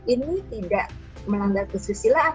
ini tidak melanggar kesusilaan